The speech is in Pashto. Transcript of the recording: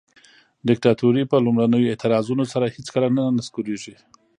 دیکتاتوري په لومړنیو اعتراضونو سره هیڅکله نه نسکوریږي.